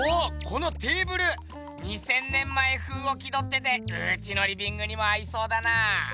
このテーブル２，０００年前風を気どっててうちのリビングにも合いそうだな！